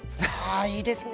いいですね。